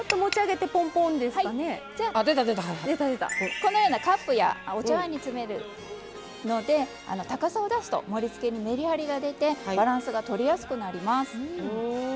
このようなカップやお茶わんに詰めるので高さを出すと盛りつけにメリハリが出てバランスがとりやすくなります。